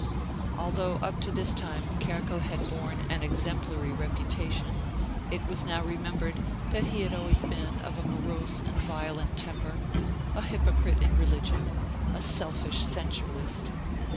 Although up to this time Kerkel had borne an exemplary reputation, it was now remembered that he had always been of a morose and violent temper, a hypocrite in religion, a selfish sensualist.